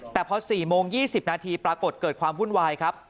แต่พอ๔โมง๒๐นาทีปรากฏเกิดความวุ่นวายครับ